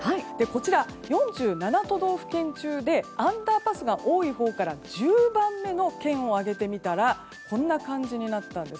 こちらは、４７都道府県中でアンダーパスが多いほうから１０番目の県を挙げてみたらこんな感じになりました。